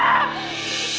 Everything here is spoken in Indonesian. bella kamu dimana bella